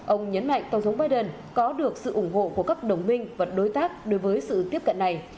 ông nhấn mạnh tổng thống biden có được sự ủng hộ của các đồng minh và đối tác đối với sự tiếp cận này